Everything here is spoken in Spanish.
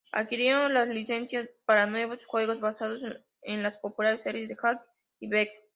Adquirieron las licencias para nuevos juegos basados en las populares series ".hack" y "Beyblade".